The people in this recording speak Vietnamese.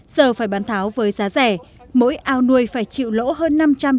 giờ phải bán tháo với giá rẻ mỗi ao nuôi phải chịu lỗ hơn năm trăm linh triệu đồng